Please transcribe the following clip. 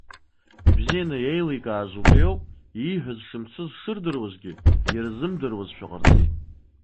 Ибзианы иеиликааз убри ауп, ииҳәаз шымцыз шырдыруазгьы, ирзымдыруазшәа ҟарҵеит.